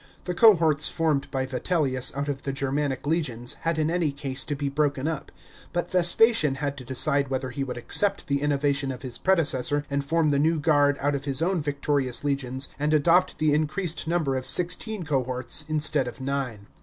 The cohorts formed by Vitellius out of (he Germanic legions had in any case to be broken up; but Vespasian bad to decide whether he would accept the innovation of his predecessor and form the new guard out of his own victorious legions, and adopt the increased number of sixteen cohorts instead of nine.